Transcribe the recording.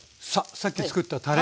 さっきつくったたれ。